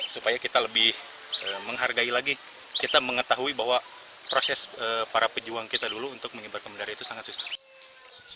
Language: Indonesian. supaya kita lebih menghargai lagi kita mengetahui bahwa proses para pejuang kita dulu untuk mengibarkan bendera itu sangat susah